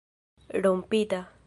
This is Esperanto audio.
rompita